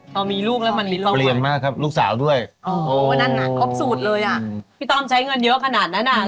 ก็มีลูกและมันมิลอบหมด